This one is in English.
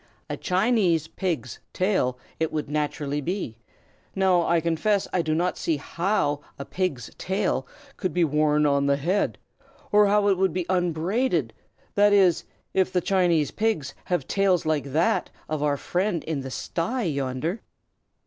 "A Chinese pig's tail it would naturally be. Now, I confess I do not see how a pig's tail could be worn on the head, or how it could be unbraided; that is, if the Chinese pigs have tails like that of our friend in the sty yonder."